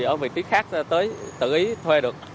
ở vị trí khác tới tự ý thuê được